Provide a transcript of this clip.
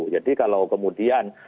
jadi kalau kemudian